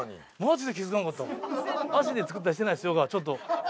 「足で作ったりしてないですよ」がちょっと。